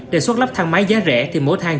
đề xuất lắp thang máy giá rẻ thì mỗi thang